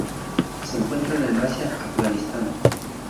Se encuentran en Asia: Afganistán.